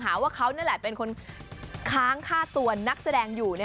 หาว่าเขานั่นแหละเป็นคนค้างค่าตัวนักแสดงอยู่